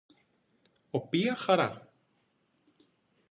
Οποία χαρά!